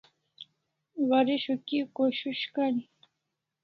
Warek kia khoshush kari